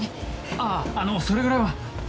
あぁあのそれぐらいは。